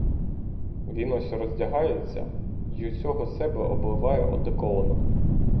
Він ось роздягається й усього себе обливає одеколоном.